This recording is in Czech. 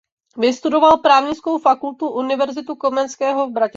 Vystudoval Právnickou fakultu Univerzitu Komenského v Bratislavě.